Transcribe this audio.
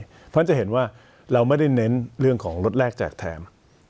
เพราะฉะนั้นจะเห็นว่าเราไม่ได้เน้นเรื่องของรถแรกแจกแถม